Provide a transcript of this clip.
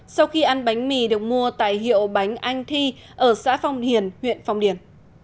sau khi ăn bánh mì được mua tại hiệu bánh anh thi ở xã phong hiền huyện phong điền